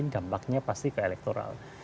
dampaknya pasti keelektoral